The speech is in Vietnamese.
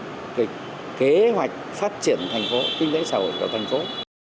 trong việc xây dựng kế hoạch phát triển thành phố kinh doanh xã hội của thành phố